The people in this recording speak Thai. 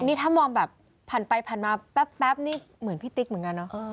นี่ถ้ามองแบบผ่านไปผ่านมาแป๊บนี่เหมือนพี่ติ๊กเหมือนกันเนอะ